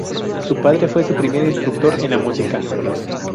Su padre fue su primer instructor en la música.